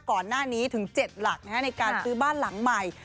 ก่อนหน้านี้ถึง๗หลักในการซื้อบ้านหลังใหม่